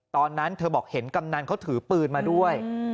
ตอนนั้นเธอบอกเห็นกำนันเขาถือปืนมาด้วย